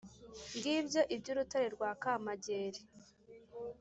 ngibyo iby'urutare rwa kamegeri